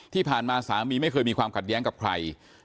ที่ผ่านมาสามีไม่เคยมีความขัดแย้งกับใคร